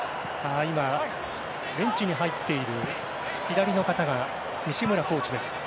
ベンチに入っている左の方が西村コーチです。